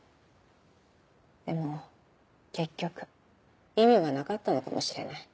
でも結局意味はなかったのかもしれない。